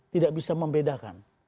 tidak bisa membedakan